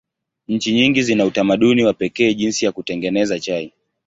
Nchi nyingi zina utamaduni wa pekee jinsi ya kutengeneza chai.